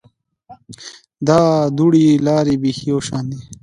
دا دواړې لارې بیخي یو شان کړې